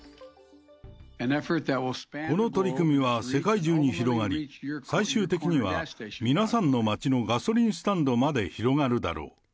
この取り組みは世界中に広がり、最終的には、皆さんの街のガソリンスタンドまで広がるだろう。